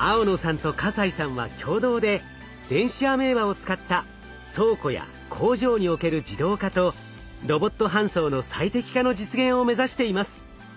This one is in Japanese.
青野さんと西さんは共同で電子アメーバを使った倉庫や工場における自動化とロボット搬送の最適化の実現を目指しています。